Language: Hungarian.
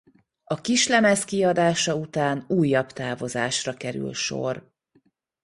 A kislemez kiadása után újabb távozásra kerül sor.